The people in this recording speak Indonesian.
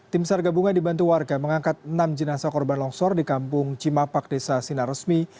tim sargabunga dibantu warga mengangkat enam jenazah korban longsor di kampung cimapak desa sinarosmi